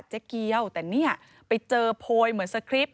เจ๊เกียวแต่เนี่ยไปเจอโพยเหมือนสคริปต